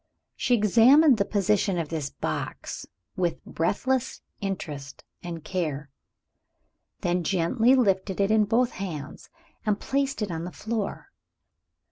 She examined the position of this box with breathless interest and care then gently lifted it in both hands and placed it on the floor.